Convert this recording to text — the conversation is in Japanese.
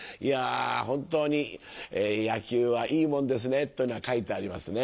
本当に野球はいいもんですねというのが書いてありますね。